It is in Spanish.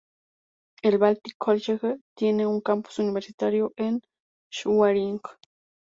El "Baltic College" tiene un campus universitario en Schwerin.